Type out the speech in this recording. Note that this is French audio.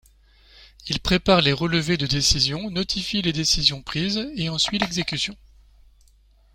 Il prépare les relevés de décisions, notifie les décisions prises et en suit l'exécution.